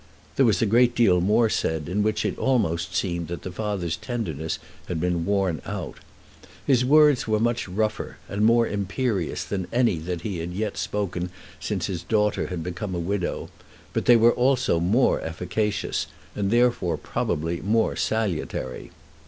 There was a great deal more said in which it almost seemed that the father's tenderness had been worn out. His words were much rougher and more imperious than any that he had yet spoken since his daughter had become a widow, but they were also more efficacious, and therefore probably more salutary.